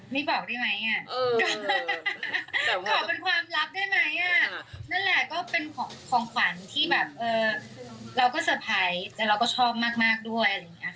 นั่นแหละก็เป็นของขวัญที่แบบเราก็เซอร์ไพรส์แต่เราก็ชอบมากด้วย